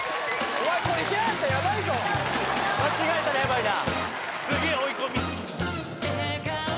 お前これ間違えたらヤバいな・